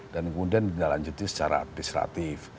dan kemudian dilanjutkan secara administratif